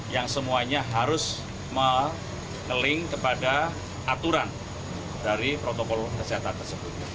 yang semuanya harus nge link kepada aturan dari protokol kesehatan tersebut